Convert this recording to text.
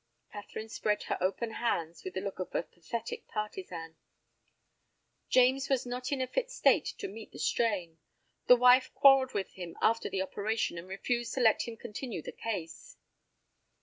Catherine spread her open hands with the look of a pathetic partisan. "James was not in a fit state to meet the strain. The wife quarrelled with him after the operation, and refused to let him continue the case."